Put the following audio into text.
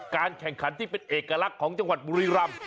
การแข่งขันที่เป็นเอกลักษณ์ของจังหวัดบุรีรำ